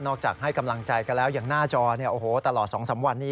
จากให้กำลังใจกันแล้วอย่างหน้าจอตลอด๒๓วันนี้